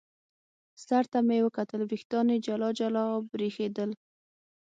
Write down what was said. سر ته مې یې وکتل، وریښتان یې جلا جلا او برېښېدل.